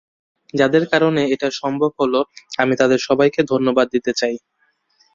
যাদের কারণে এটা সম্ভব হলো, আমি তাদের সবাইকে ধন্যবাদ দিতে চাই।